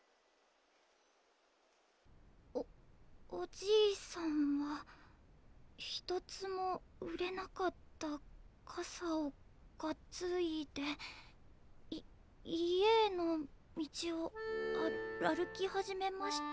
「おおじいさんは一つも売れなかったかさをかついでい家への道をある歩きはじめました」。